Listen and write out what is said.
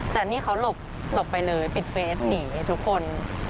แต่นี่เขาหลบไปเลยปิดเฟสหนีทุกคน